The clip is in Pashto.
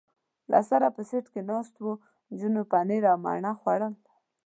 له سره په سېټ کې ناست و، نجونو پنیر او مڼه خوړل.